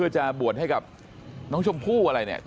เพราะปู่อะไรปู่หมุนีอะไรนะ